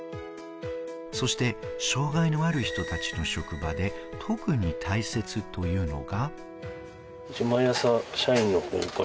そして障害のある人たちの職場で特に大切というのが。